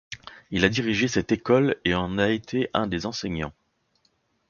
Il a dirigé cette école, et en a été un des enseignants.